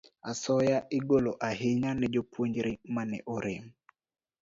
Asoya igolo ahinya ne jopuonjre ma ne orem.